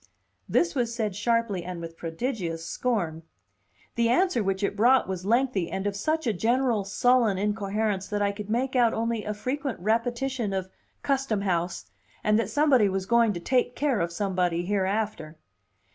This was said sharply and with prodigious scorn. The answer which it brought was lengthy and of such a general sullen incoherence that I could make out only a frequent repetition of "custom house," and that somebody was going to take care of somebody hereafter.